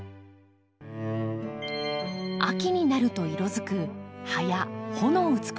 秋になると色づく葉や穂の美しさもこの庭の魅力。